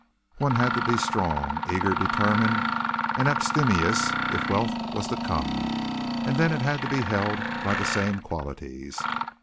One had to be strong, eager, determined and abstemious if wealth was to come, and then it had to be held by the same qualities.